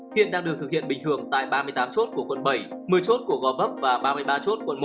hiện đang được thực hiện bình thường tại ba mươi tám chốt của quận bảy một mươi chốt của gò vấp và ba mươi ba chốt quận một